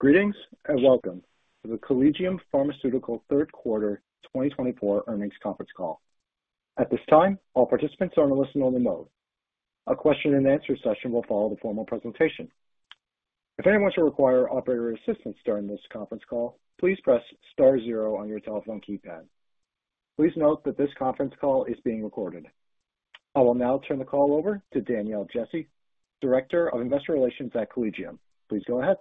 Greetings and welcome to the Collegium Pharmaceutical third quarter 2024 earnings conference call. At this time, all participants are in a listen-only mode. A question-and-answer session will follow the formal presentation. If anyone should require operator assistance during this conference call, please press star zero on your telephone keypad. Please note that this conference call is being recorded. I will now turn the call over to Danielle Jesse, Director of Investor Relations at Collegium. Please go ahead.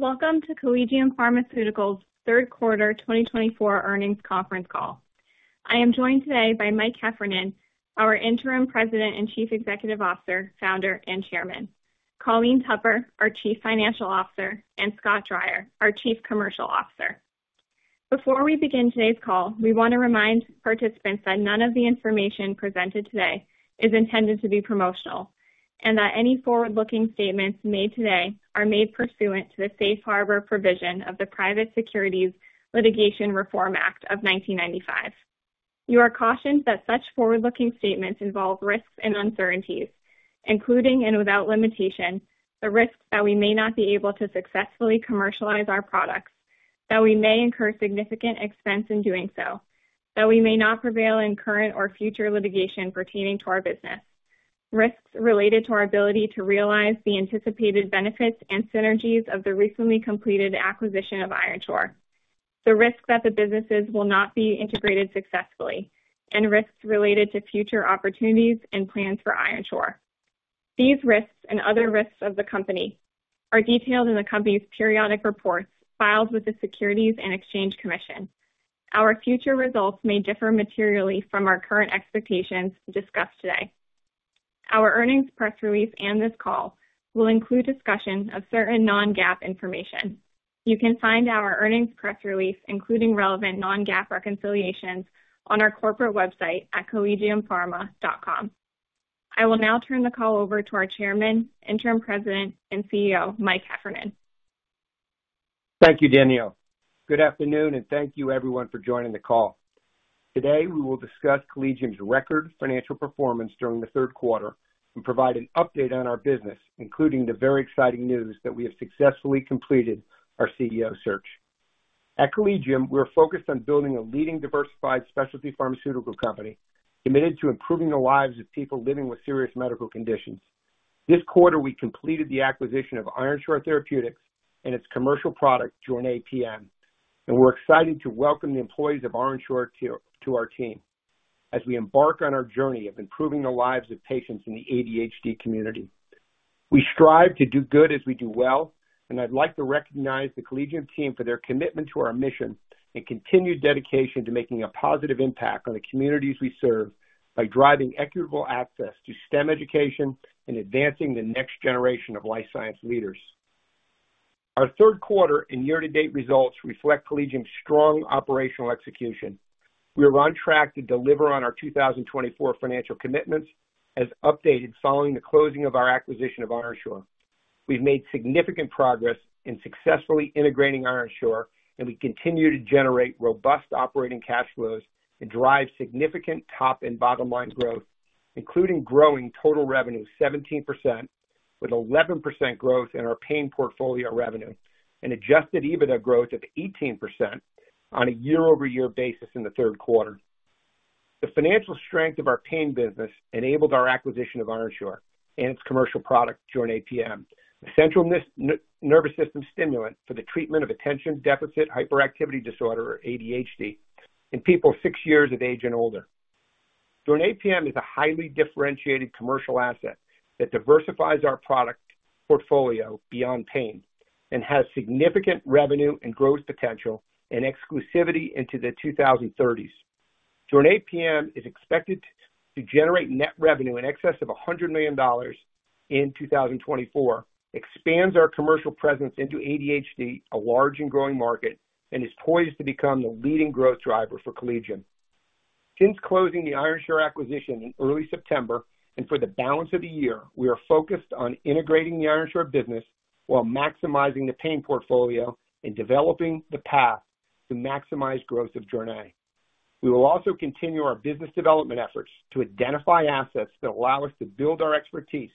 Welcome to Collegium Pharmaceutical's Third Quarter 2024 earnings conference call. I am joined today by Mike Heffernan, our Interim President and Chief Executive Officer, Founder, and Chairman, Colleen Tupper, our Chief Financial Officer, and Scott Dreyer, our Chief Commercial Officer. Before we begin today's call, we want to remind participants that none of the information presented today is intended to be promotional and that any forward-looking statements made today are made pursuant to the safe harbor provision of the Private Securities Litigation Reform Act of 1995. You are cautioned that such forward-looking statements involve risks and uncertainties, including and without limitation, the risks that we may not be able to successfully commercialize our products, that we may incur significant expense in doing so, that we may not prevail in current or future litigation pertaining to our business, risks related to our ability to realize the anticipated benefits and synergies of the recently completed acquisition of Ironshore, the risks that the businesses will not be integrated successfully, and risks related to future opportunities and plans for Ironshore. These risks and other risks of the company are detailed in the company's periodic reports filed with the Securities and Exchange Commission. Our future results may differ materially from our current expectations discussed today. Our earnings press release and this call will include discussion of certain non-GAAP information. You can find our earnings press release, including relevant non-GAAP reconciliations, on our corporate website at collegiumpharma.com. I will now turn the call over to our Chairman, Interim President, and CEO, Mike Heffernan. Thank you, Danielle. Good afternoon, and thank you, everyone, for joining the call. Today, we will discuss Collegium's record financial performance during the third quarter and provide an update on our business, including the very exciting news that we have successfully completed our CEO search. At Collegium, we are focused on building a leading, diversified specialty pharmaceutical company committed to improving the lives of people living with serious medical conditions. This quarter, we completed the acquisition of Ironshore Therapeutics and its commercial product, JORNAY PM, and we're excited to welcome the employees of Ironshore to our team as we embark on our journey of improving the lives of patients in the ADHD community. We strive to do good as we do well, and I'd like to recognize the Collegium team for their commitment to our mission and continued dedication to making a positive impact on the communities we serve by driving equitable access to STEM education and advancing the next generation of life science leaders. Our third quarter and year-to-date results reflect Collegium's strong operational execution. We are on track to deliver on our 2024 financial commitments as updated following the closing of our acquisition of Ironshore. We've made significant progress in successfully integrating Ironshore, and we continue to generate robust operating cash flows and drive significant top and bottom line growth, including growing total revenue 17% with 11% growth in our pain portfolio revenue and Adjusted EBITDA growth of 18% on a year-over-year basis in the third quarter. The financial strength of our pain business enabled our acquisition of Ironshore and its commercial product, JORNAY PM, a central nervous system stimulant for the treatment of attention deficit hyperactivity disorder, or ADHD, in people six years of age and older. JORNAY PM is a highly differentiated commercial asset that diversifies our product portfolio beyond pain and has significant revenue and growth potential and exclusivity into the 2030s. JORNAY PM is expected to generate net revenue in excess of $100 million in 2024, expands our commercial presence into ADHD, a large and growing market, and is poised to become the leading growth driver for Collegium. Since closing the Ironshore acquisition in early September and for the balance of the year, we are focused on integrating the Ironshore business while maximizing the pain portfolio and developing the path to maximize growth of JORNAY. We will also continue our business development efforts to identify assets that allow us to build our expertise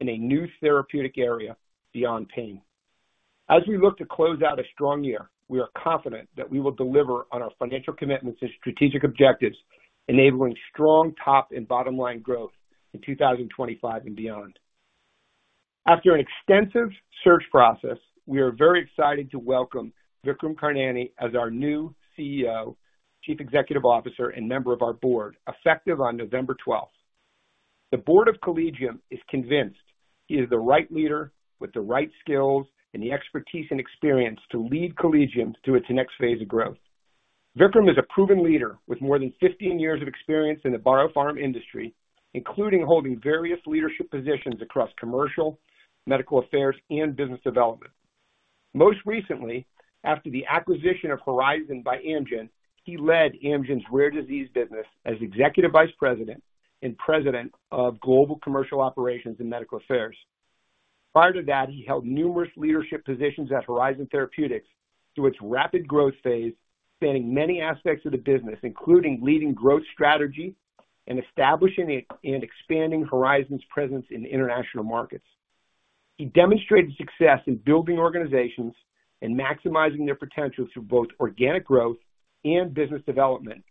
in a new therapeutic area beyond pain. As we look to close out a strong year, we are confident that we will deliver on our financial commitments and strategic objectives, enabling strong top and bottom line growth in 2025 and beyond. After an extensive search process, we are very excited to welcome Vikram Karnani as our new CEO, Chief Executive Officer, and member of our board, effective on November 12th. The Board of Collegium is convinced he is the right leader with the right skills and the expertise and experience to lead Collegium to its next phase of growth. Vikram is a proven leader with more than 15 years of experience in the bio-pharma industry, including holding various leadership positions across commercial, medical affairs, and business development. Most recently, after the acquisition of Horizon by Amgen, he led Amgen's rare disease business as Executive Vice President and President of Global Commercial Operations and Medical Affairs. Prior to that, he held numerous leadership positions at Horizon Therapeutics through its rapid growth phase, spanning many aspects of the business, including leading growth strategy and establishing and expanding Horizon's presence in international markets. He demonstrated success in building organizations and maximizing their potential through both organic growth and business development.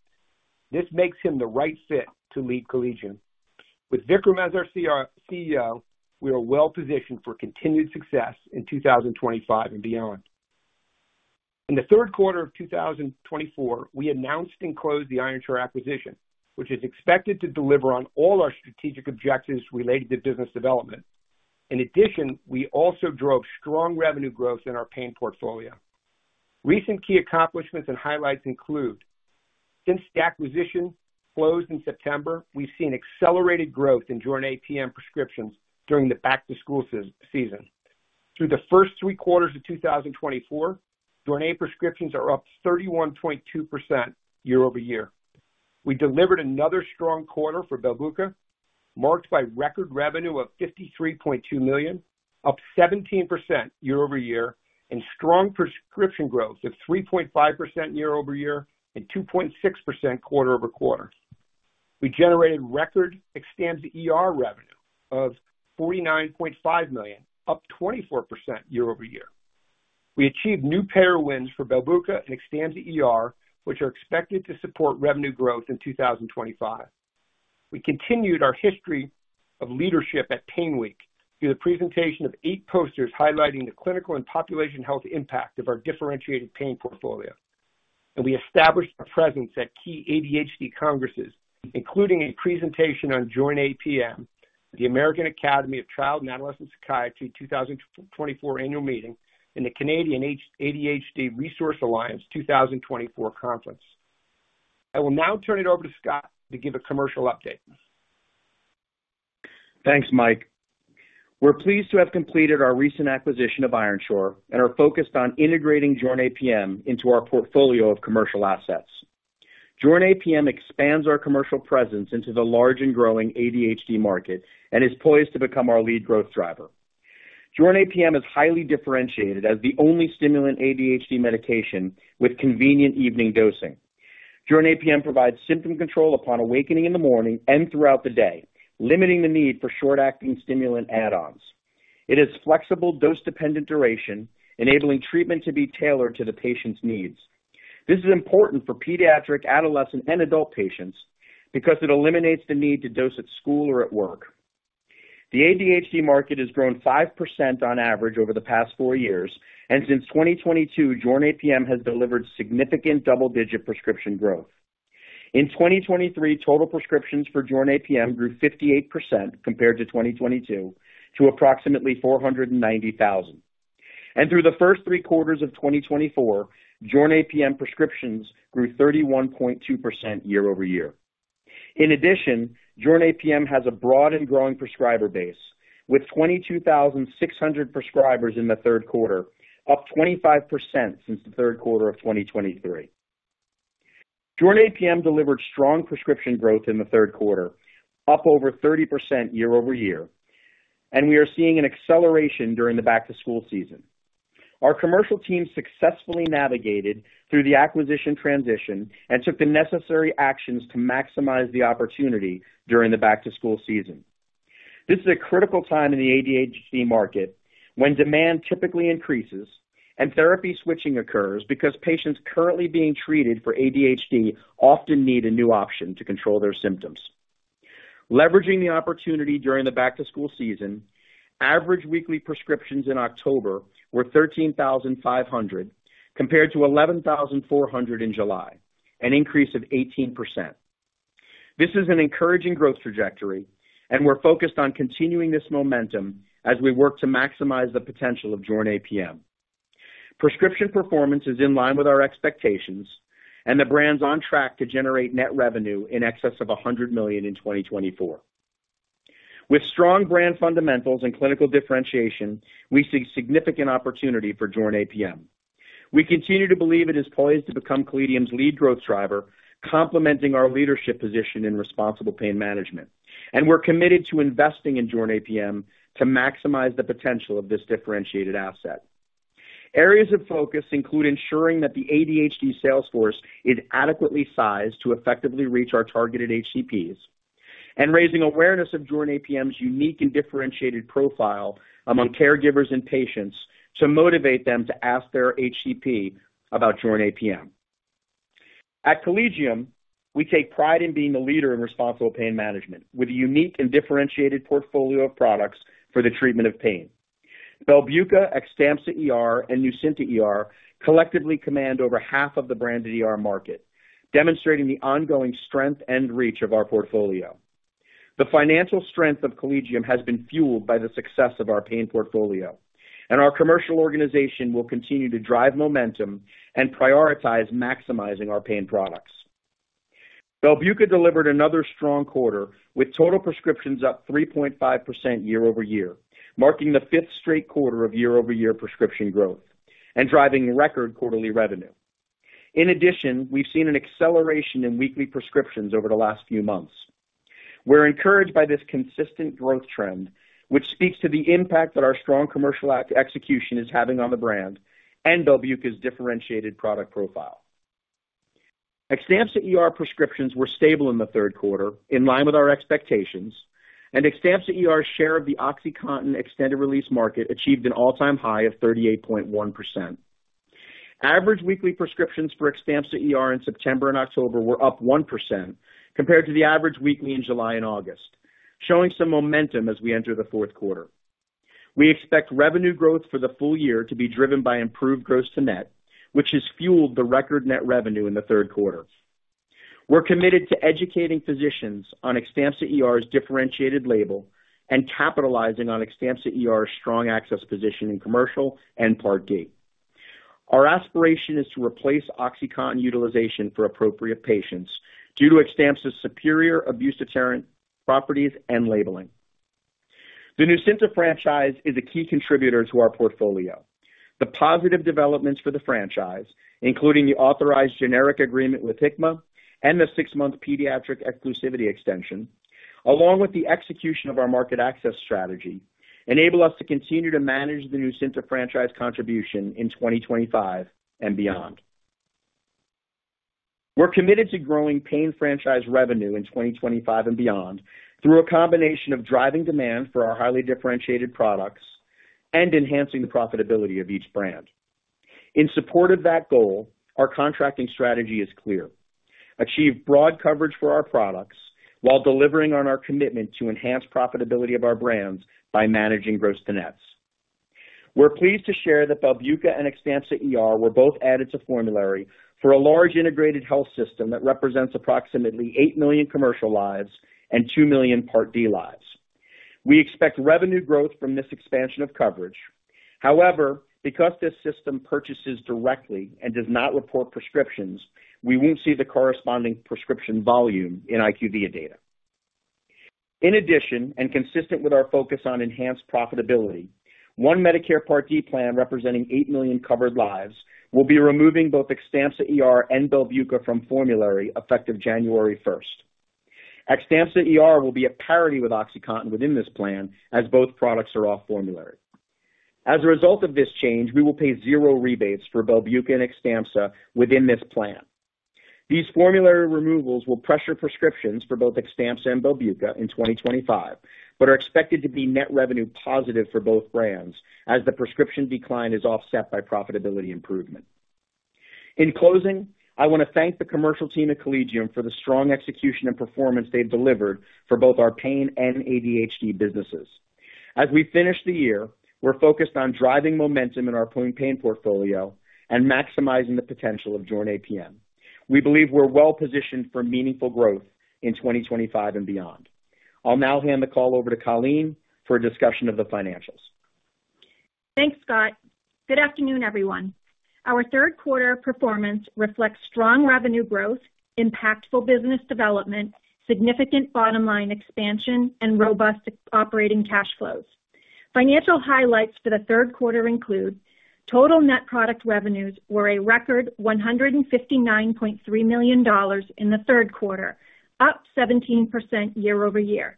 This makes him the right fit to lead Collegium. With Vikram as our CEO, we are well positioned for continued success in 2025 and beyond. In the third quarter of 2024, we announced and closed the Ironshore acquisition, which is expected to deliver on all our strategic objectives related to business development. In addition, we also drove strong revenue growth in our pain portfolio. Recent key accomplishments and highlights include: since the acquisition closed in September, we've seen accelerated growth in JORNAY PM prescriptions during the back-to-school season. Through the first three quarters of 2024, JORNAY prescriptions are up 31.2% year-over-year. We delivered another strong quarter for BELBUCA, marked by record revenue of $53.2 million, up 17% year-over-year, and strong prescription growth of 3.5% year-over-year and 2.6% quarter-over-quarter. We generated record XTAMPZA revenue of $49.5 million, up 24% year-over-year. We achieved new payer wins for BELBUCA and XTAMPZA which are expected to support revenue growth in 2025. We continued our history of leadership at PAINWeek through the presentation of eight posters highlighting the clinical and population health impact of our differentiated pain portfolio, and we established our presence at key ADHD congresses, including a presentation on JORNAY PM, the American Academy of Child and Adolescent Psychiatry 2024 annual meeting, and the Canadian ADHD Resource Alliance 2024 conference. I will now turn it over to Scott to give a commercial update. Thanks, Mike. We're pleased to have completed our recent acquisition of Ironshore and are focused on integrating JORNAY PM into our portfolio of commercial assets. JORNAY PM expands our commercial presence into the large and growing ADHD market and is poised to become our lead growth driver. JORNAYPM is highly differentiated as the only stimulant ADHD medication with convenient evening dosing. JORNAY PM provides symptom control upon awakening in the morning and throughout the day, limiting the need for short-acting stimulant add-ons. It is flexible, dose-dependent duration, enabling treatment to be tailored to the patient's needs. This is important for pediatric, adolescent, and adult patients because it eliminates the need to dose at school or at work. The ADHD market has grown 5% on average over the past four years, and since 2022, JORNAY PM has delivered significant double-digit prescription growth. In 2023, total prescriptions for JORNAY PM grew 58% compared to 2022, to approximately 490,000. Through the first three quarters of 2024, JORNAY PM prescriptions grew 31.2% year-over-year. In addition, JORNAY PM has a broad and growing prescriber base, with 22,600 prescribers in the third quarter, up 25% since the third quarter of 2023. JORNAY PM delivered strong prescription growth in the third quarter, up over 30% year-over-year, and we are seeing an acceleration during the back-to-school season. Our commercial team successfully navigated through the acquisition transition and took the necessary actions to maximize the opportunity during the back-to-school season. This is a critical time in the ADHD market when demand typically increases and therapy switching occurs because patients currently being treated for ADHD often need a new option to control their symptoms. Leveraging the opportunity during the back-to-school season, average weekly prescriptions in October were 13,500 compared to 11,400 in July, an increase of 18%. This is an encouraging growth trajectory, and we're focused on continuing this momentum as we work to maximize the potential of JORNAY PM. Prescription performance is in line with our expectations, and the brand's on track to generate net revenue in excess of $100 million in 2024. With strong brand fundamentals and clinical differentiation, we see significant opportunity for JORNAY PM. We continue to believe it is poised to become Collegium's lead growth driver, complementing our leadership position in responsible pain management, and we're committed to investing in JORNAY PM to maximize the potential of this differentiated asset. Areas of focus include ensuring that the ADHD sales force is adequately sized to effectively reach our targeted HCPs and raising awareness of JORNAY PM's unique and differentiated profile among caregivers and patients to motivate them to ask their HCP about JORNAY PM. At Collegium, we take pride in being the leader in responsible pain management with a unique and differentiated portfolio of products for the treatment of pain. BELBUCA, XTAMPZA ER and NUCYNTA ER collectively command over half of the branded market, demonstrating the ongoing strength and reach of our portfolio. The financial strength of Collegium has been fueled by the success of our pain portfolio, and our commercial organization will continue to drive momentum and prioritize maximizing our pain products. BELBUCA delivered another strong quarter with total prescriptions up 3.5% year-over-year, marking the fifth straight quarter of year-over-year prescription growth and driving record quarterly revenue. In addition, we've seen an acceleration in weekly prescriptions over the last few months. We're encouraged by this consistent growth trend, which speaks to the impact that our strong commercial execution is having on the brand and BELBUCA's differentiated product profile. XTAMPZA prescriptions were stable in the third quarter, in line with our expectations, and XTAMPZA ER's share of the OxyContin extended-release market achieved an all-time high of 38.1%. Average weekly prescriptions for XTAMPZA in September and October were up 1% compared to the average weekly in July and August, showing some momentum as we enter the fourth quarter. We expect revenue growth for the full year to be driven by improved gross to net, which has fueled the record net revenue in the third quarter. We're committed to educating physicians on XTAMPZA ER's differentiated label and capitalizing on XTAMPZA ER's strong access position in commercial and Part D. Our aspiration is to replace OxyContin utilization for appropriate patients due to XTAMPZA's superior abuse deterrent properties and labeling. The Nucynta franchise is a key contributor to our portfolio. The positive developments for the franchise, including the authorized generic agreement with Hikma and the six-month pediatric exclusivity extension, along with the execution of our market access strategy, enable us to continue to manage the Nucynta franchise contribution in 2025 and beyond. We're committed to growing pain franchise revenue in 2025 and beyond through a combination of driving demand for our highly differentiated products and enhancing the profitability of each brand. In support of that goal, our contracting strategy is clear: achieve broad coverage for our products while delivering on our commitment to enhance profitability of our brands by managing gross to nets. We're pleased to share that BELBUCA and XTAMPZA ER were both added to formulary for a large integrated health system that represents approximately 8 million commercial lives and 2 million Part D lives. We expect revenue growth from this expansion of coverage. However, because this system purchases directly and does not report prescriptions, we won't see the corresponding prescription volume in IQVIA data. In addition, and consistent with our focus on enhanced profitability, one Medicare Part D plan representing 8 million covered lives will be removing both XTAMPZA ER and BELBUCA from formulary effective January 1st. XTAMPZA ER will be a parity with OxyContin within this plan, as both products are off formulary. As a result of this change, we will pay zero rebates for BELBUCA and XTAMPZA ER within this plan. These formulary removals will pressure prescriptions for both XTAMPZA and BELBUCA in 2025, but are expected to be net revenue positive for both brands as the prescription decline is offset by profitability improvement. In closing, I want to thank the commercial team at Collegium for the strong execution and performance they've delivered for both our pain and ADHD businesses. As we finish the year, we're focused on driving momentum in our pain portfolio and maximizing the potential of JORNAY PM. We believe we're well positioned for meaningful growth in 2025 and beyond. I'll now hand the call over to Colleen for a discussion of the financials. Thanks, Scott. Good afternoon, everyone. Our third quarter performance reflects strong revenue growth, impactful business development, significant bottom-line expansion, and robust operating cash flows. Financial highlights for the third quarter include total net product revenues were a record $159.3 million in the third quarter, up 17% year-over-year.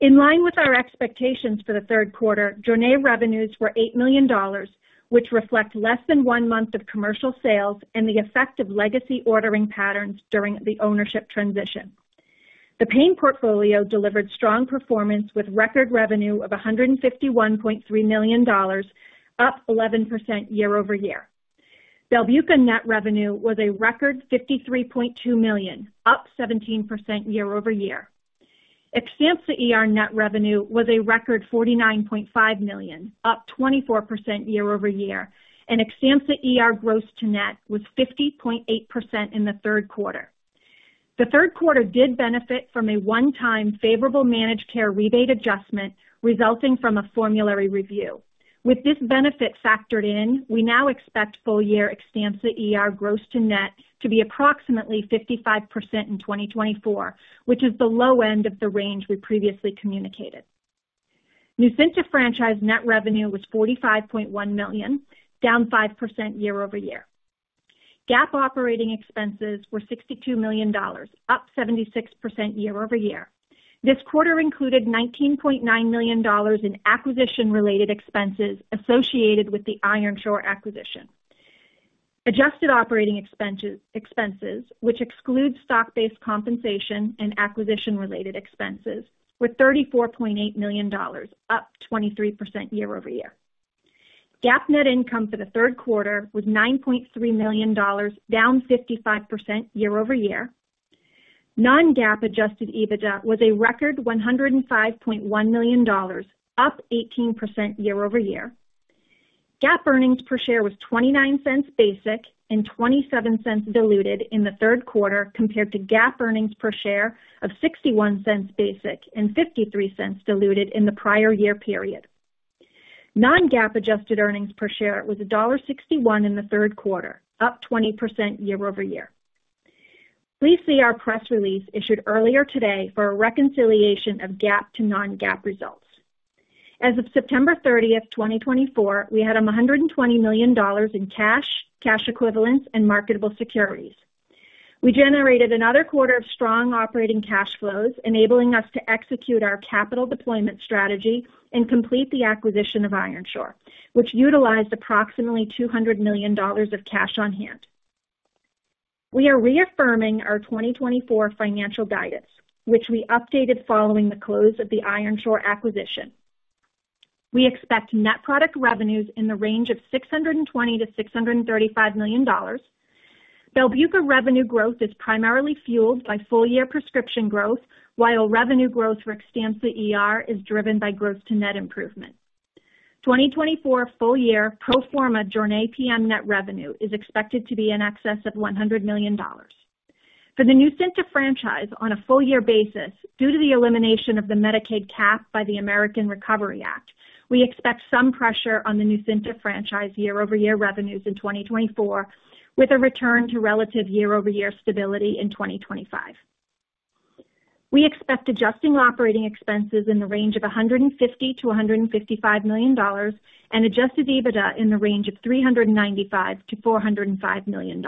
In line with our expectations for the third quarter, JORNAY revenues were $8 million, which reflect less than one month of commercial sales and the effect of legacy ordering patterns during the ownership transition. The pain portfolio delivered strong performance with record revenue of $151.3 million, up 11% year-over-year. BELBUCA net revenue was a record $53.2 million, up 17% year-over-year. XTAMPZA net revenue was a record $49.5 million, up 24% year-over-year, and XTAMPZA gross to net was 50.8% in the third quarter. The third quarter did benefit from a one-time favorable managed care rebate adjustment resulting from a formulary review. With this benefit factored in, we now expect full-year XTAMPZA's gross to net to be approximately 55% in 2024, which is the low end of the range we previously communicated. NUCYNTA franchise net revenue was $45.1 million, down 5% year-over-year. GAAP operating expenses were $62 million, up 76% year-over-year. This quarter included $19.9 million in acquisition-related expenses associated with the Ironshore acquisition. Adjusted operating expenses, which excludes stock-based compensation and acquisition-related expenses, were $34.8 million, up 23% year-over-year. GAAP net income for the third quarter was $9.3 million, down 55% year-over-year. Non-GAAP Adjusted EBITDA was a record $105.1 million, up 18% year-over-year. GAAP earnings per share was $0.29 basic and $0.27 diluted in the third quarter compared to GAAP earnings per share of $0.61 basic and $0.53 diluted in the prior year period. Non-GAAP adjusted earnings per share was $1.61 in the third quarter, up 20% year-over-year. Please see our press release issued earlier today for a reconciliation of GAAP to non-GAAP results. As of September 30, 2024, we had $120 million in cash, cash equivalents, and marketable securities. We generated another quarter of strong operating cash flows, enabling us to execute our capital deployment strategy and complete the acquisition of Ironshore, which utilized approximately $200 million of cash on hand. We are reaffirming our 2024 financial guidance, which we updated following the close of the Ironshore acquisition. We expect net product revenues in the range of $620 million-$635 million. BELBUCA revenue growth is primarily fueled by full-year prescription growth, while revenue growth for XTAMPZA is driven by gross to net improvement. 2024 full-year pro forma JORNAY PM net revenue is expected to be in excess of $100 million. For the NUCYNTA franchise on a full-year basis, due to the elimination of the Medicaid cap by the American Recovery Act, we expect some pressure on the Nucynta franchise year-over-year revenues in 2024, with a return to relative year-over-year stability in 2025. We expect adjusting operating expenses in the range of $150-$155 million and Adjusted EBITDA in the range of $395 million-$405 million.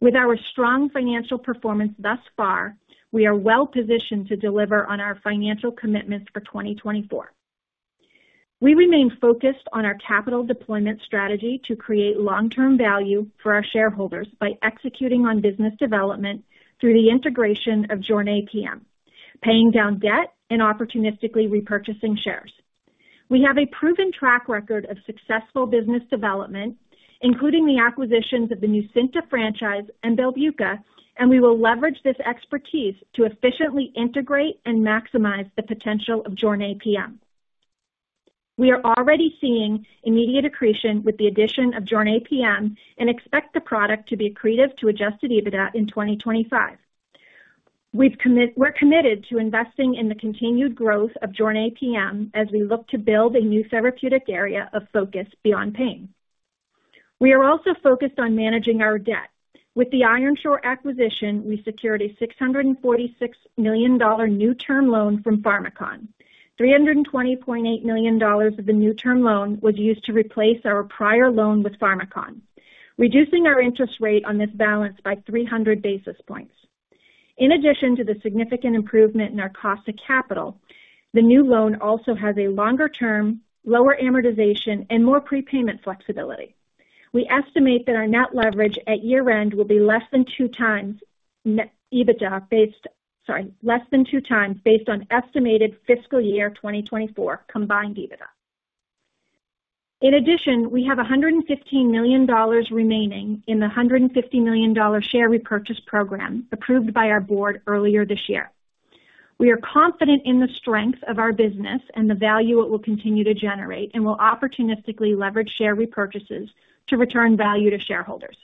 With our strong financial performance thus far, we are well positioned to deliver on our financial commitments for 2024. We remain focused on our capital deployment strategy to create long-term value for our shareholders by executing on business development through the integration of JORNAY PM, paying down debt, and opportunistically repurchasing shares. We have a proven track record of successful business development, including the acquisitions of the NUCYNTA franchise and BELBUCA, and we will leverage this expertise to efficiently integrate and maximize the potential of JORNAY PM. We are already seeing immediate accretion with the addition of JORNAY PM and expect the product to be accretive to Adjusted EBITDA in 2025. We're committed to investing in the continued growth of JORNAY PM as we look to build a new therapeutic area of focus beyond pain. We are also focused on managing our debt. With the Ironshore acquisition, we secured a $646 million new-term loan from Pharmakon. $320.8 million of the new-term loan was used to replace our prior loan with Pharmakon, reducing our interest rate on this balance by 300 basis points. In addition to the significant improvement in our cost of capital, the new loan also has a longer term, lower amortization, and more prepayment flexibility. We estimate that our net leverage at year-end will be less than two times EBITDA based, sorry, less than two times based on estimated fiscal year 2024 combined EBITDA. In addition, we have $115 million remaining in the $150 million share repurchase program approved by our Board earlier this year. We are confident in the strength of our business and the value it will continue to generate and will opportunistically leverage share repurchases to return value to shareholders.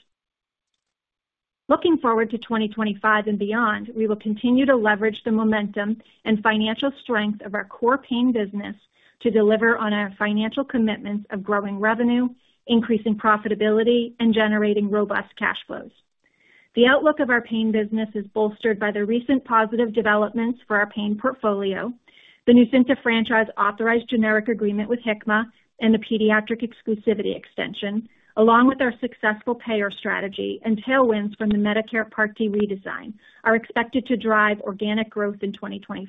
Looking forward to 2025 and beyond, we will continue to leverage the momentum and financial strength of our core pain business to deliver on our financial commitments of growing revenue, increasing profitability, and generating robust cash flows. The outlook of our pain business is bolstered by the recent positive developments for our pain portfolio, the NUCYNTA franchise authorized generic agreement with Hikma and the pediatric exclusivity extension, along with our successful payer strategy and tailwinds from the Medicare Part D redesign, are expected to drive organic growth in 2025.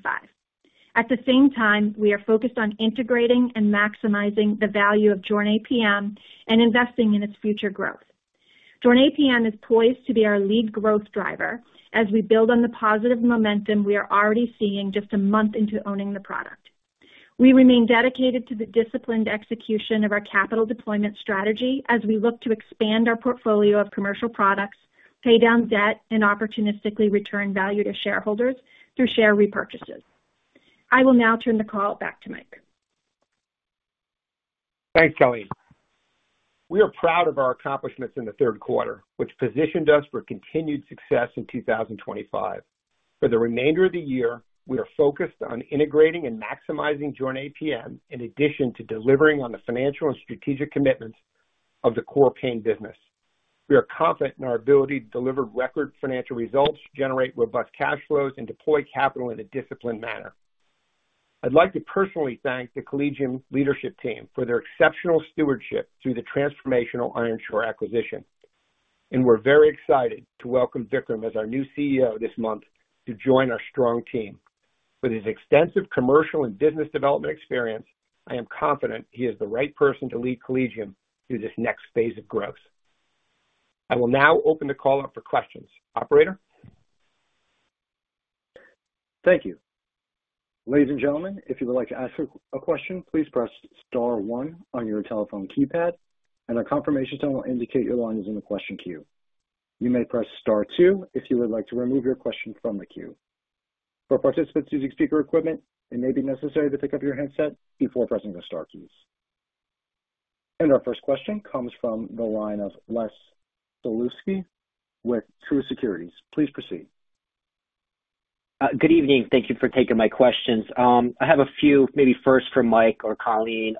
At the same time, we are focused on integrating and maximizing the value of JORNAY PM and investing in its future growth. JORNAY PM is poised to be our lead growth driver as we build on the positive momentum we are already seeing just a month into owning the product. We remain dedicated to the disciplined execution of our capital deployment strategy as we look to expand our portfolio of commercial products, pay down debt, and opportunistically return value to shareholders through share repurchases. I will now turn the call back to Mike. Thanks, Colleen. We are proud of our accomplishments in the third quarter, which positioned us for continued success in 2025. For the remainder of the year, we are focused on integrating and maximizing JORNAY PM in addition to delivering on the financial and strategic commitments of the core pain business. We are confident in our ability to deliver record financial results, generate robust cash flows, and deploy capital in a disciplined manner. I'd like to personally thank the Collegium leadership team for their exceptional stewardship through the transformational Ironshore acquisition, and we're very excited to welcome Vikram as our new CEO this month to join our strong team. With his extensive commercial and business development experience, I am confident he is the right person to lead Collegium through this next phase of growth. I will now open the call up for questions. Operator? Thank you. Ladies and gentlemen, if you would like to ask a question, please press star one on your telephone keypad, and our confirmation tonal will indicate your line is in the question queue. You may press star two if you would like to remove your question from the queue. For participants using speaker equipment, it may be necessary to pick up your headset before pressing the star keys. Our first question comes from the line of Les Sulewski with Truist Securities. Please proceed. Good evening. Thank you for taking my questions. I have a few, maybe first for Mike or Colleen.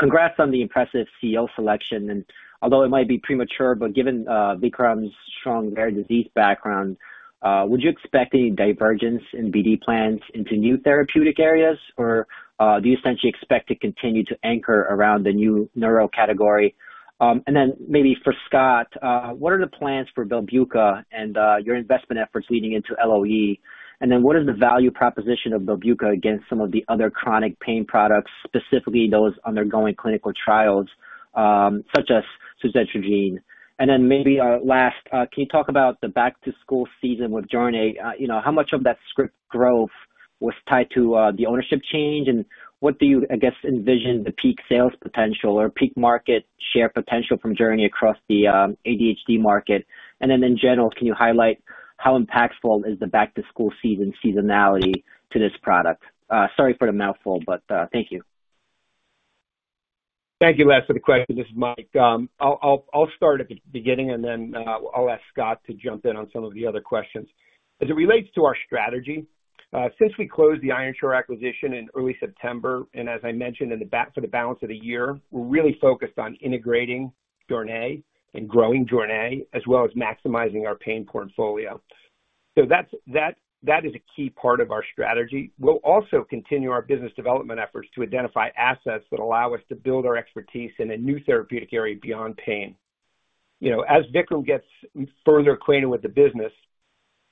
Congrats on the impressive CEO selection. And although it might be premature, but given Vikram's strong rare disease background, would you expect any divergence in BD plans into new therapeutic areas, or do you essentially expect to continue to anchor around the new neuro category? And then maybe for Scott, what are the plans for BELBUCA and your investment efforts leading into LOE? And then what is the value proposition of BELBUCA against some of the other chronic pain products, specifically those undergoing clinical trials such as suzetrigine? And then maybe last, can you talk about the back-to-school season with JORNAY? How much of that script growth was tied to the ownership change, and what do you, I guess, envision the peak sales potential or peak market share potential from JORNAY across the ADHD market? And then in general, can you highlight how impactful is the back-to-school season seasonality to this product? Sorry for the mouthful, but thank you. Thank you, Les, for the question. This is Mike. I'll start at the beginning, and then I'll ask Scott to jump in on some of the other questions. As it relates to our strategy, since we closed the Ironshore acquisition in early September, and as I mentioned in the back for the balance of the year, we're really focused on integrating JORNAY and growing JORNAY, as well as maximizing our pain portfolio. So that is a key part of our strategy. We'll also continue our business development efforts to identify assets that allow us to build our expertise in a new therapeutic area beyond pain. As Vikram gets further acquainted with the business,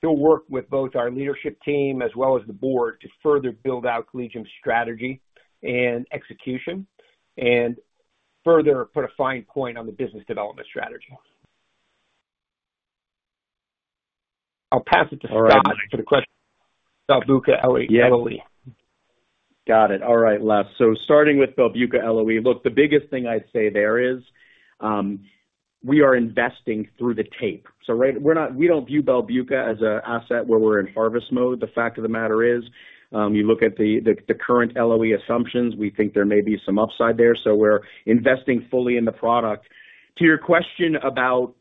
he'll work with both our leadership team as well as the board to further build out Collegium's strategy and execution and further put a fine point on the business development strategy. I'll pass it to Scott for the question about BELBUCA LOE. Got it. All right, Les. So starting with BELBUCA LOE, look, the biggest thing I'd say there is we are investing through the LOE. So we don't view BELBUCA as an asset where we're in harvest mode. The fact of the matter is, you look at the current LOE assumptions, we think there may be some upside there. So we're investing fully in the product. To your question about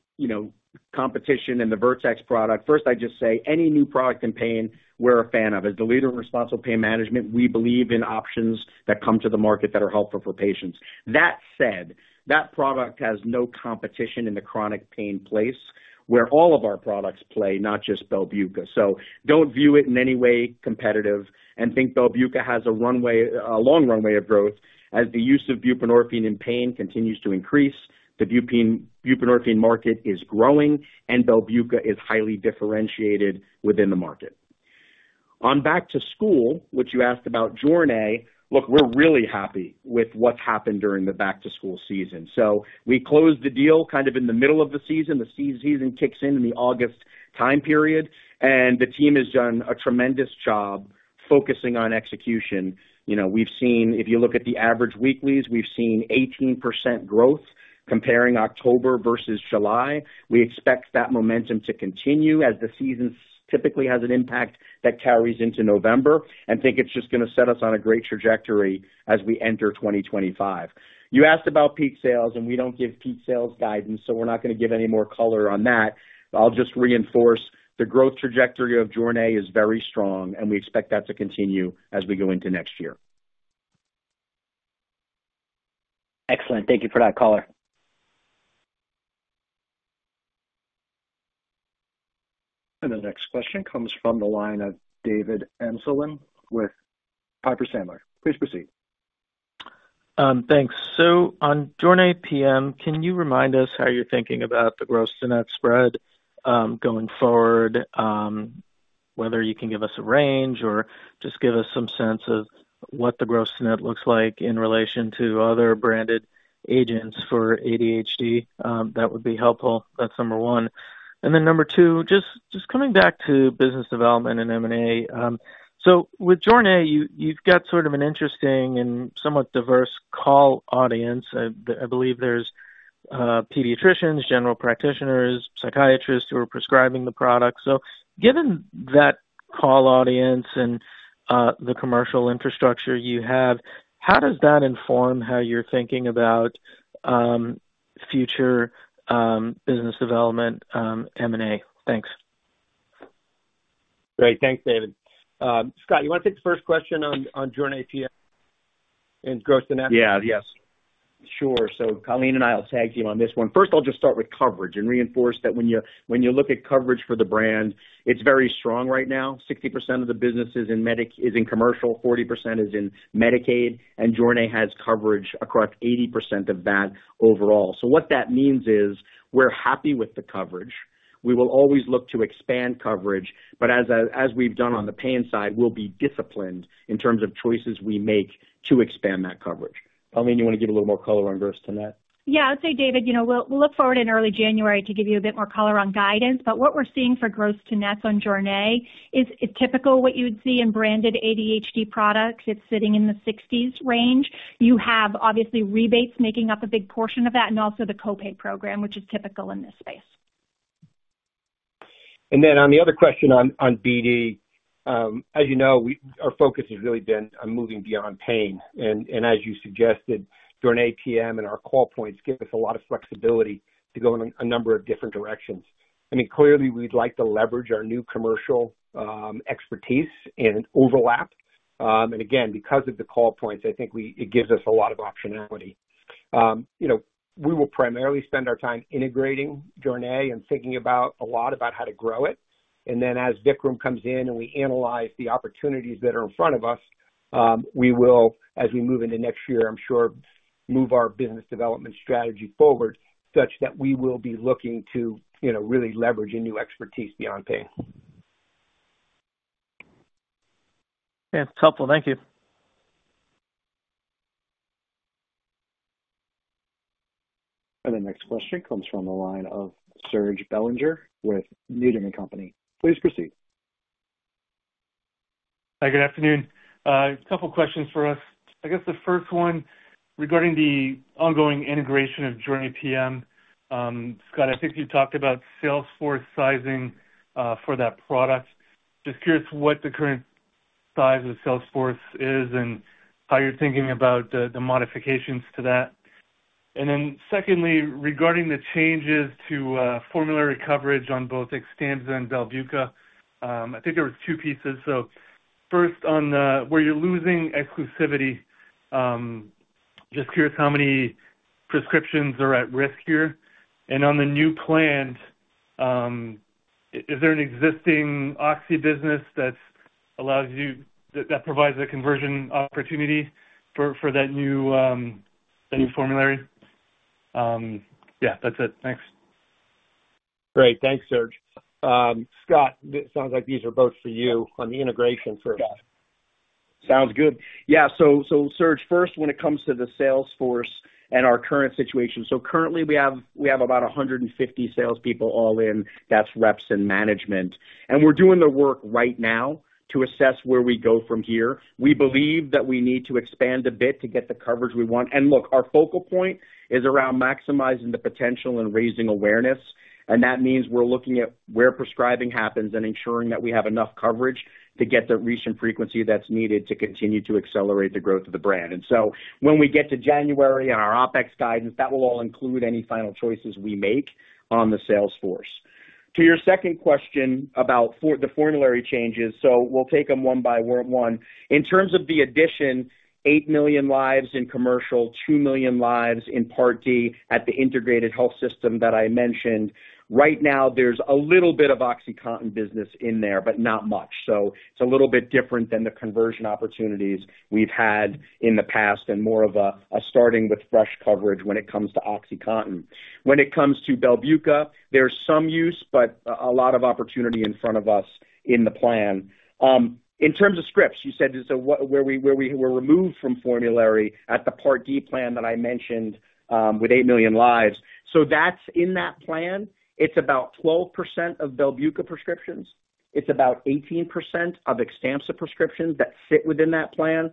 competition and the Vertex product, first I just say any new product in pain, we're a fan of. As the leader in responsible pain management, we believe in options that come to the market that are helpful for patients. That said, that product has no competition in the chronic pain space where all of our products play, not just BELBUCA. So don't view it in any way competitive and think BELBUCA has a long runway of growth as the use of buprenorphine in pain continues to increase. The buprenorphine market is growing, and BELBUCA is highly differentiated within the market. On back-to-school, which you asked about JORNAY, look, we're really happy with what's happened during the back-to-school season. So we closed the deal kind of in the middle of the season. The season kicks in in the August time period, and the team has done a tremendous job focusing on execution. We've seen, if you look at the average weeklies, we've seen 18% growth comparing October versus July. We expect that momentum to continue as the season typically has an impact that carries into November and think it's just going to set us on a great trajectory as we enter 2025. You asked about peak sales, and we don't give peak sales guidance, so we're not going to give any more color on that. I'll just reinforce the growth trajectory of JORNAY is very strong, and we expect that to continue as we go into next year. Excellent. Thank you for that color. And the next question comes from the line of David Amsellem with Piper Sandler. Please proceed. Thanks. So on JORNAY PM, can you remind us how you're thinking about the gross to net spread going forward, whether you can give us a range or just give us some sense of what the gross to net looks like in relation to other branded agents for ADHD? That would be helpful. That's number one, and then number two, just coming back to business development and M&A, so with JORNAY, you've got sort of an interesting and somewhat diverse call audience. I believe there's pediatricians, general practitioners, psychiatrists who are prescribing the product. So given that call audience and the commercial infrastructure you have, how does that inform how you're thinking about future business development M&A? Thanks. Great. Thanks, David. Scott, do you want to take the first question on JORNAY PM and gross to net? Yeah, yes. Sure. So Colleen and I will tag team on this one. First, I'll just start with coverage and reinforce that when you look at coverage for the brand, it's very strong right now. 60% of the business is in commercial, 40% is in Medicaid, and JORNAY has coverage across 80% of that overall. So what that means is we're happy with the coverage. We will always look to expand coverage, but as we've done on the pain side, we'll be disciplined in terms of choices we make to expand that coverage. Colleen, you want to give a little more color on gross to net? Yeah, I'll say, David, we'll look forward in early January to give you a bit more color on guidance. But what we're seeing for gross to net on JORNAY is typical what you would see in branded ADHD products. It's sitting in the 60s range. You have obviously rebates making up a big portion of that and also the copay program, which is typical in this space. And then, on the other question on BD, as you know, our focus has really been on moving beyond pain. And as you suggested, JORNAY PM and our call points give us a lot of flexibility to go in a number of different directions. I mean, clearly, we'd like to leverage our new commercial expertise and overlap. And again, because of the call points, I think it gives us a lot of optionality. We will primarily spend our time integrating JORNAY and thinking a lot about how to grow it. And then, as Vikram comes in and we analyze the opportunities that are in front of us, we will, as we move into next year, I'm sure, move our business development strategy forward such that we will be looking to really leverage a new expertise beyond pain. That's helpful. Thank you. And the next question comes from the line of Serge Belanger with Needham & Company. Please proceed. Hi, good afternoon. A couple of questions for us. I guess the first one regarding the ongoing integration of JORNAY PM. Scott, I think you talked about sales force sizing for that product. Just curious what the current size of sales force is and how you're thinking about the modifications to that? And then secondly, regarding the changes to formulary coverage on both XTAMPZA and BELBUCA, I think there were two pieces. So first, on where you're losing exclusivity, just curious how many prescriptions are at risk here? And on the new planned, is there an existing oxy business that provides a conversion opportunity for that new formulary? Yeah, that's it. Thanks. Great. Thanks, Serge. Scott, it sounds like these are both for you on the integration first. Sounds good. Yeah. So Serge, first, when it comes to the sales force and our current situation, so currently we have about 150 salespeople all in. That's reps and management. And we're doing the work right now to assess where we go from here. We believe that we need to expand a bit to get the coverage we want. And look, our focal point is around maximizing the potential and raising awareness. And that means we're looking at where prescribing happens and ensuring that we have enough coverage to get the reach and frequency that's needed to continue to accelerate the growth of the brand. And so when we get to January and our OpEx guidance, that will all include any final choices we make on the sales force. To your second question about the formulary changes, so we'll take them one by one. In terms of the addition, eight million lives in commercial, two million lives in Part D at the integrated health system that I mentioned. Right now, there's a little bit of OxyContin business in there, but not much. So it's a little bit different than the conversion opportunities we've had in the past and more of a starting with fresh coverage when it comes to OxyContin. When it comes to BELBUCA, there's some use, but a lot of opportunity in front of us in the plan. In terms of scripts, you said where we were removed from formulary at the Part D plan that I mentioned with eight million lives. So that's in that plan. It's about 12% of BELBUCA prescriptions. It's about 18% of XTAMPZA prescriptions that sit within that plan.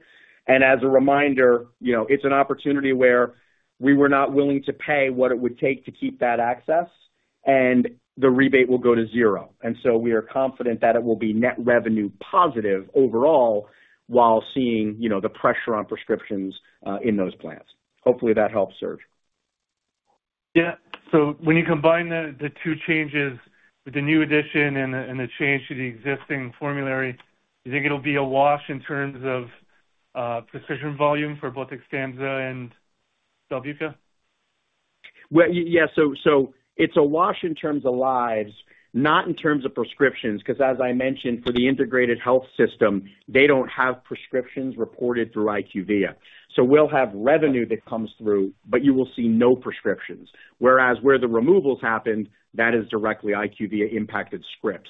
As a reminder, it's an opportunity where we were not willing to pay what it would take to keep that access, and the rebate will go to zero. We are confident that it will be net revenue positive overall while seeing the pressure on prescriptions in those plans. Hopefully, that helps, Serge. Yeah, so when you combine the two changes with the new addition and the change to the existing formulary, do you think it'll be a wash in terms of prescription volume for both XTAMPZA and BELBUCA? Yeah. It's a wash in terms of lives, not in terms of prescriptions. Because as I mentioned, for the integrated health system, they don't have prescriptions reported through IQVIA. We'll have revenue that comes through, but you will see no prescriptions. Whereas where the removals happened, that is directly IQVIA impacted scripts.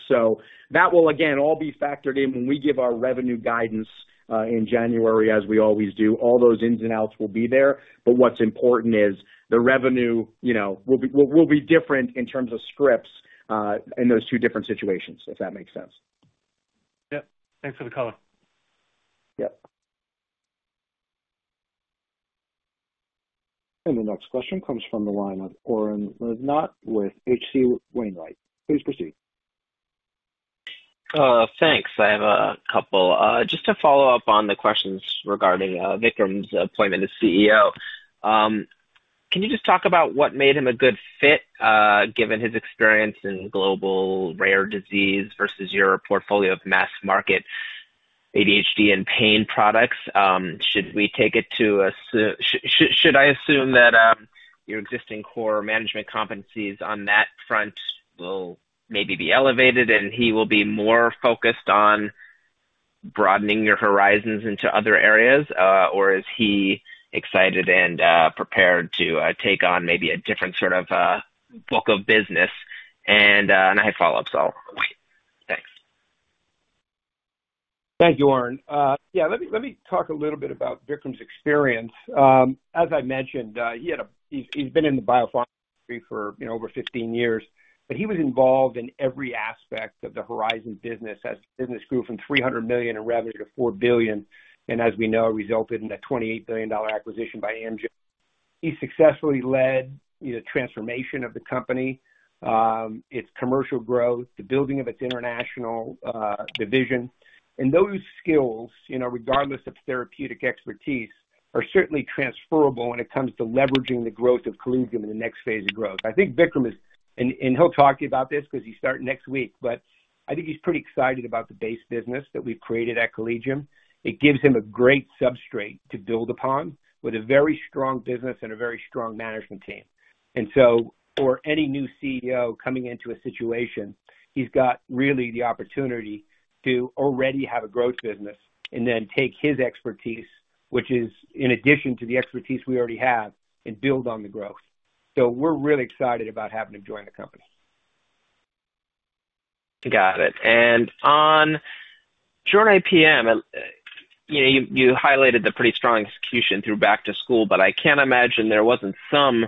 That will, again, all be factored in when we give our revenue guidance in January, as we always do. All those ins and outs will be there. What's important is the revenue will be different in terms of scripts in those two different situations, if that makes sense? Yep. Thanks for the color. Yep. And the next question comes from the line of Oren Livnat with H.C. Wainwright. Please proceed. Thanks. I have a couple. Just to follow up on the questions regarding Vikram's appointment as CEO, can you just talk about what made him a good fit given his experience in global rare disease versus your portfolio of mass market ADHD and pain products? Should we take it to a should I assume that your existing core management competencies on that front will maybe be elevated and he will be more focused on broadening your horizons into other areas, or is he excited and prepared to take on maybe a different sort of book of business? And I have follow-ups, so I'll wait. Thanks. Thank you, Oren. Yeah, let me talk a little bit about Vikram's experience. As I mentioned, he's been in the biopharma industry for over 15 years, but he was involved in every aspect of the Horizon business as the business grew from $300 million in revenue to $4 billion, and as we know, resulted in a $28 billion acquisition by Amgen. He successfully led the transformation of the company, its commercial growth, the building of its international division, and those skills, regardless of therapeutic expertise, are certainly transferable when it comes to leveraging the growth of Collegium in the next phase of growth. I think Vikram is—and he'll talk to you about this because he's starting next week—but I think he's pretty excited about the base business that we've created at Collegium. It gives him a great substrate to build upon with a very strong business and a very strong management team, and so, for any new CEO coming into a situation, he's got really the opportunity to already have a growth business and then take his expertise, which is in addition to the expertise we already have, and build on the growth, so we're really excited about having him join the company. Got it, and on JORNAY PM, you highlighted the pretty strong execution through back-to-school, but I can't imagine there wasn't some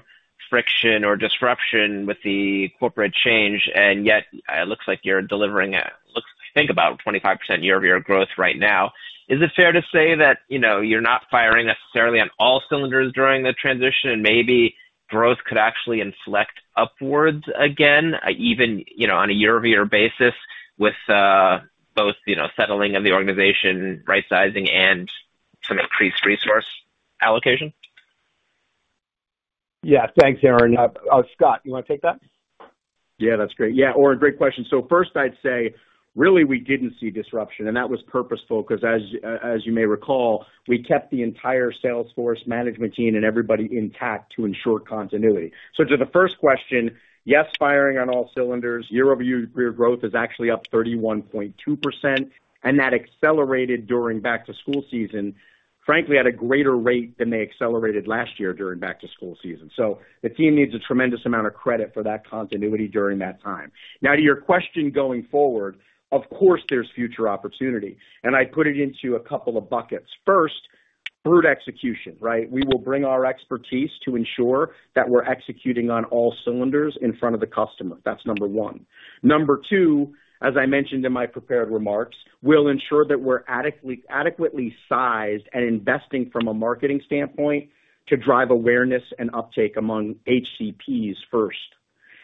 friction or disruption with the corporate change, and yet, it looks like you're delivering, I think, about 25% year-over-year growth right now. Is it fair to say that you're not firing necessarily on all cylinders during the transition, and maybe growth could actually inflect upwards again, even on a year-over-year basis with both settling of the organization, right-sizing, and some increased resource allocation? Yeah. Thanks, Aaron. Scott, you want to take that? Yeah, that's great. Yeah, Oren, great question. So first, I'd say really we didn't see disruption. And that was purposeful because, as you may recall, we kept the entire sales force management team and everybody intact to ensure continuity. So to the first question, yes, firing on all cylinders, year-over-year growth is actually up 31.2%. And that accelerated during back-to-school season, frankly, at a greater rate than they accelerated last year during back-to-school season. So the team needs a tremendous amount of credit for that continuity during that time. Now, to your question going forward, of course, there's future opportunity. And I put it into a couple of buckets. First, brute execution, right? We will bring our expertise to ensure that we're executing on all cylinders in front of the customer. That's number one. Number two, as I mentioned in my prepared remarks, we'll ensure that we're adequately sized and investing from a marketing standpoint to drive awareness and uptake among HCPs first,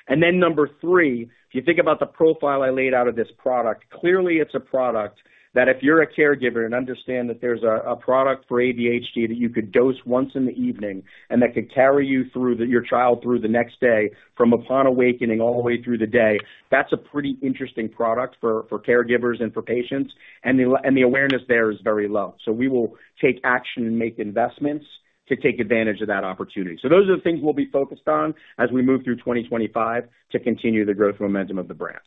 and then number three, if you think about the profile I laid out of this product, clearly it's a product that if you're a caregiver and understand that there's a product for ADHD that you could dose once in the evening and that could carry you through your child through the next day from upon awakening all the way through the day, that's a pretty interesting product for caregivers and for patients, and the awareness there is very low, so we will take action and make investments to take advantage of that opportunity, so those are the things we'll be focused on as we move through 2025 to continue the growth momentum of the brand.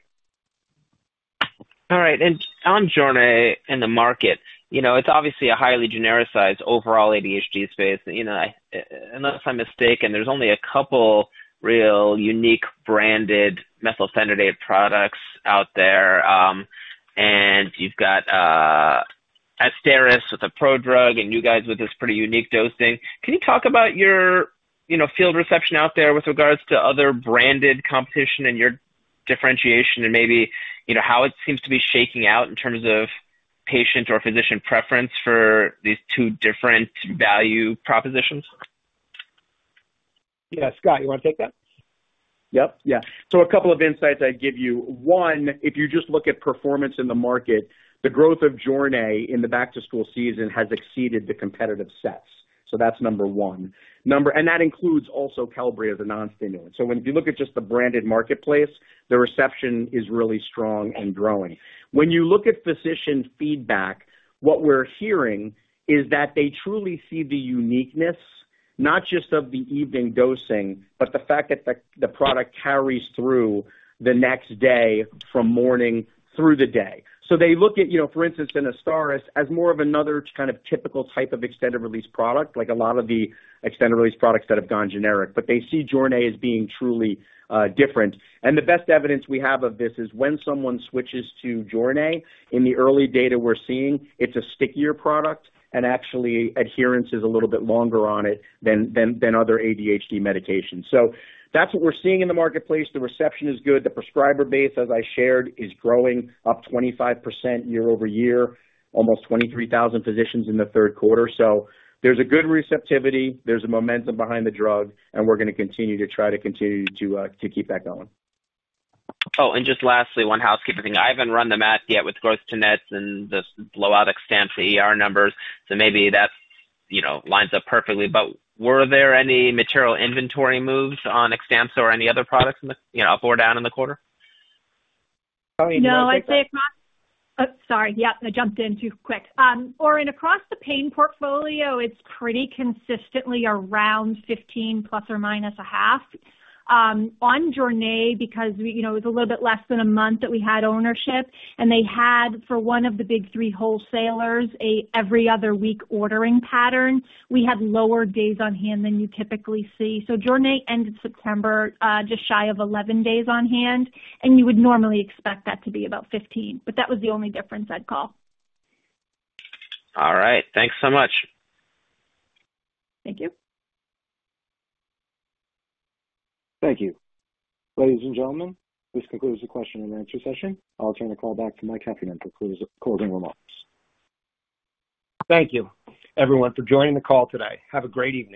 All right. And on JORNAY and the market, it's obviously a highly genericized overall ADHD space. Unless I'm mistaken, there's only a couple real unique branded methylphenidate products out there. And you've got Azstarys with a prodrug, and you guys with this pretty unique dosing. Can you talk about your field reception out there with regards to other branded competition and your differentiation and maybe how it seems to be shaking out in terms of patient or physician preference for these two different value propositions? Yeah. Scott, you want to take that? Yep. Yeah. So a couple of insights I'd give you. One, if you just look at performance in the market, the growth of JORNAY in the back-to-school season has exceeded the competitive sets. So that's number one. And that includes also Qelbree as a non-stimulant. So when you look at just the branded marketplace, the reception is really strong and growing. When you look at physician feedback, what we're hearing is that they truly see the uniqueness, not just of the evening dosing, but the fact that the product carries through the next day from morning through the day. So they look at, for instance, Azstarys as more of another kind of typical type of extended-release product, like a lot of the extended-release products that have gone generic, but they see JORNAY as being truly different. The best evidence we have of this is when someone switches to JORNAY, in the early data we're seeing, it's a stickier product, and actually adherence is a little bit longer on it than other ADHD medications. So that's what we're seeing in the marketplace. The reception is good. The prescriber base, as I shared, is growing up 25% year-over-year, almost 23,000 physicians in the third quarter. So there's a good receptivity. There's a momentum behind the drug, and we're going to continue to try to continue to keep that going. Oh, and just lastly, one housekeeping thing. I haven't run the math yet with gross-to-net and the low-end XTAMPZA numbers, so maybe that lines up perfectly. But were there any material inventory moves on XTAMPZA or any other products up or down in the quarter? Oh, you didn't say? No, I'd say across, sorry. Yeah, I jumped in too quick. Oren, across the pain portfolio, it's pretty consistently around 15 plus or minus a half. On JORNAY, because it was a little bit less than a month that we had ownership, and they had, for one of the big three wholesalers, an every-other-week ordering pattern, we had lower days on hand than you typically see. So JORNAY ended September just shy of 11 days on hand, and you would normally expect that to be about 15. But that was the only difference I'd call. All right. Thanks so much. Thank you. Thank you. Ladies and gentlemen, this concludes the question and answer session. I'll turn the call back to Mike Heffernan for closing remarks. Thank you, everyone, for joining the call today. Have a great evening.